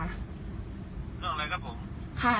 เรื่องอะไรครับผมค่ะ